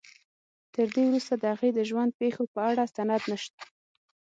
تر دې وروسته د هغې د ژوند پېښو په اړه سند نشته.